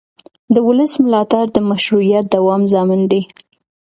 د ولس ملاتړ د مشروعیت دوام ضامن دی